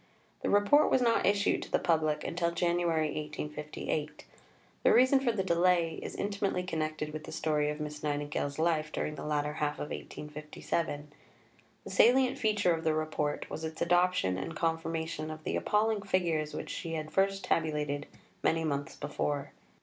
The Report was not issued to the public until January 1858. The reason for the delay is intimately connected with the story of Miss Nightingale's life during the latter half of 1857. The salient feature of the Report was its adoption and confirmation of the appalling figures which she had first tabulated many months before.